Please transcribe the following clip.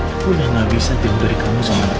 aku udah gak bisa hidup dari kamu sama anak anak